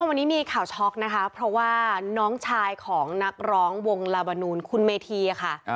วันนี้มีข่าวช็อกนะคะเพราะว่าน้องชายของนักร้องวงลาบานูนคุณเมธีค่ะ